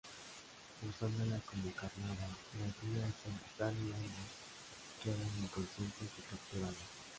Usándola como carnada, la guía hacia Danny ambos quedan inconscientes y capturados.